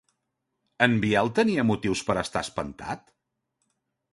En Biel tenia motius per estar espantat?